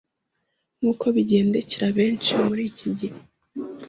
Nk’uko bigendekera benshi mur’iki gihe